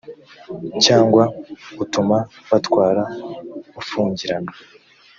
cyangwa utuma batwara ufungirana